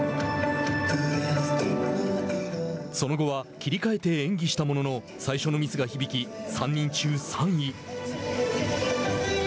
その後は切り替えて演技したものの最初のミスが響き３人中３位。